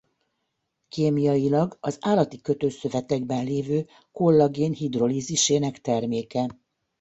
Kémiailag az állati kötőszövetekben lévő kollagén hidrolízisének terméke.